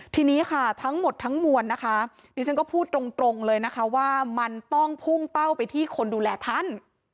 ทีนี้ค่ะทั้งหมดทั้งมวลนะคะดิฉันก็พูดตรงเลยนะคะว่ามันต้องพุ่งเป้าไปที่คนดูแลท่าน